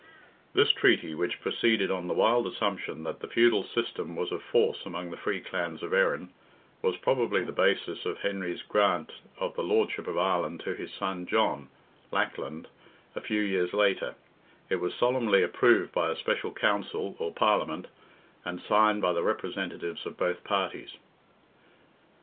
This treaty, which proceeded on the wild assumption that the feudal system was of force among the free clans of Erin, was probably the basis of Henry's grant of the Lordship of Ireland to his son, John Lackland, a few years later; it was solemnly approved by a special Council, or Parliament, and signed by the representatives of both parties.